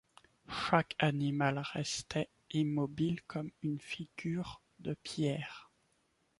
Chaque animal restait immobile comme une figure de pierre.